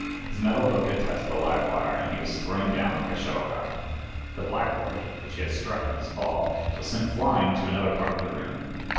His metal hook had touched the live wire and he was thrown down like a shuttlecock. The blackboard, which he had struck in his fall, was sent flying to another part of the room.